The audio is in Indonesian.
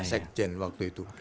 sekjen waktu itu